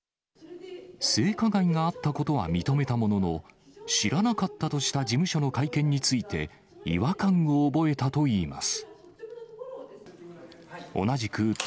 性加害があったことは認めたものの、知らなかったとした事務所の会見について、違和感を覚えたといいます。